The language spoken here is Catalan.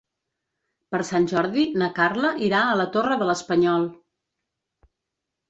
Per Sant Jordi na Carla irà a la Torre de l'Espanyol.